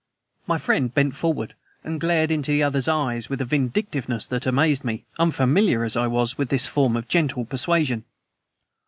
My friend bent forward and glared into the other's eyes with a vindictiveness that amazed me, unfamiliar as I was with this form of gentle persuasion.